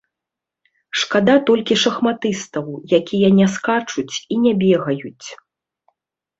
Шкада толькі шахматыстаў, якія не скачуць і не бегаюць.